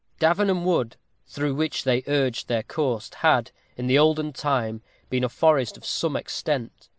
Davenham Wood, through which they urged their course, had, in the olden time, been a forest of some extent.